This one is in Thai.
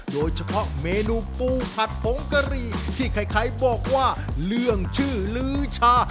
โดยเฉพาะเมนูปูผัดผงกะหรี่ที่ใครบอกว่าเรื่องชื่อลื้อชา